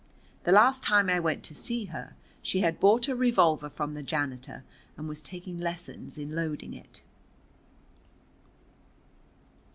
The last time I went to see her, she had bought a revolver from the janitor and was taking lessons in loading it.